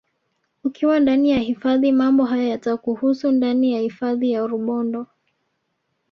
Ukiwa ndani ya hifadhi mambo haya yatakuhusu ndani ya hifadhi ya Rubondo